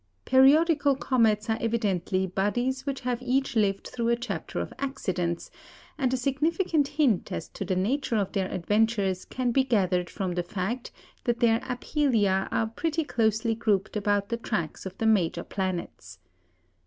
Periodical comets are evidently bodies which have each lived through a chapter of accidents, and a significant hint as to the nature of their adventures can be gathered from the fact that their aphelia are pretty closely grouped about the tracks of the major planets.